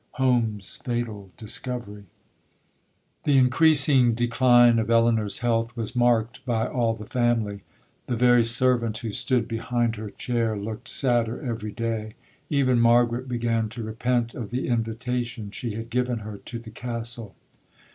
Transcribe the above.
HOME'S FATAL DISCOVERY 'The increasing decline of Elinor's health was marked by all the family; the very servant who stood behind her chair looked sadder every day—even Margaret began to repent of the invitation she had given her to the Castle.